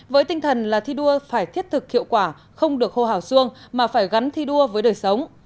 với tinh thần là thi đua phải thiết thực hiệu quả không được hô hào xuông mà phải gắn thi đua với đời sống